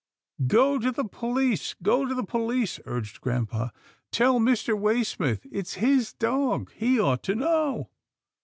"" Go to the police — go to the police," urged grampa. " Tell Mr. Waysmith. It's his dog, he ought to know."